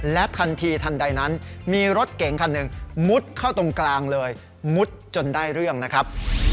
และทันทีทันใดนั้นมีรถเก๋งคันหนึ่งมุดเข้าตรงกลางเลยมุดจนได้เรื่องนะครับ